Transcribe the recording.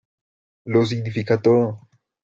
lo significa todo.